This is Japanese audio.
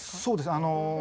そうですね。